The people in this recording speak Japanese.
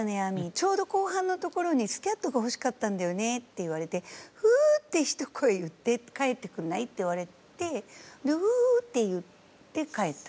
ちょうど後半のところにスキャットが欲しかったんだよね」って言われて「『う』ってひと声言って帰ってくれない？」って言われて「う」って言って帰った。